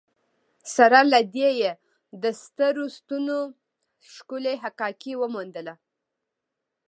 سره له دې یې د سترو ستنو ښکلې حکاکي وموندله.